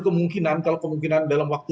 kemungkinan kalau kemungkinan dalam waktu